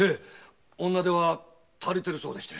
女手は足りてるそうでして。